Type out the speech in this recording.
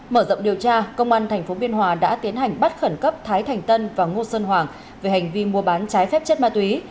mở rộng điều tra công an tp biên hòa đã tiến hành bắt khẩn cấp thái thành tân và ngô sơn hoàng về hành vi mua bán trái phép chất ma túy